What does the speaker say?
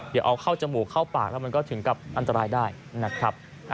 เดี๋ยวเอาเข้าจมูกเข้าปากแล้วมันก็ถึงกับอันตรายได้นะครับ